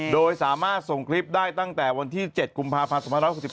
โดยสามารถส่งคลิปได้ตั้งแต่วันที่๗กุมภาพันธ์๒๖๒